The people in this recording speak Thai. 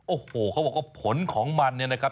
โอ้โหเขาบอกว่าผลของมันเนี่ยนะครับ